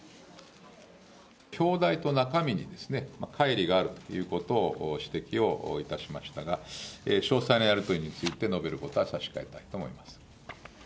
表題と中身にかい離があるということを指摘をいたしましたが、詳細なやり取りについて述べることは差し控えたいと思います。